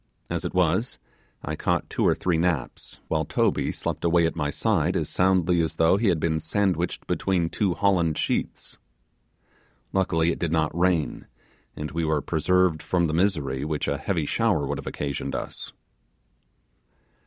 As it was, I caught two or three naps, while Toby slept away at my side as soundly as though he had been sandwiched between two Holland sheets. Luckily it did not rain, and we were preserved from the misery which a heavy shower would have occasioned us.